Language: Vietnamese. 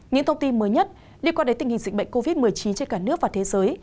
những thông tin mới nhất liên quan đến tình hình dịch bệnh covid một mươi chín trên cả nước và thế giới